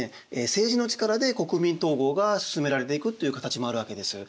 政治の力で国民統合がすすめられていくという形もあるわけです。